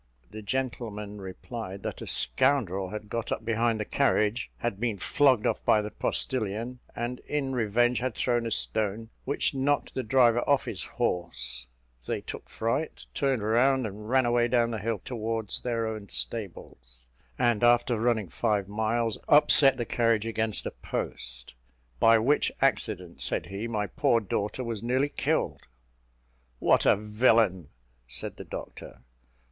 The gentleman replied that a scoundrel having got up behind the carriage, had been flogged off by the postilion; and, in revenge, had thrown a stone, which knocked the driver off his horse: they took fright, turned round, and ran away down the hill towards their own stables; and after running five miles, upset the carriage against a post, "by which accident," said he, "my poor daughter was nearly killed." "What a villain!" said the doctor.